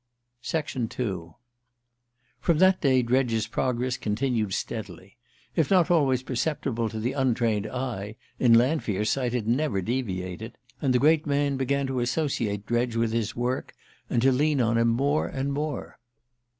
II FROM that day Dredge's progress continued steadily. If not always perceptible to the untrained eye, in Lanfear's sight it never deviated, and the great man began to associate Dredge with his work, and to lean on him more and more.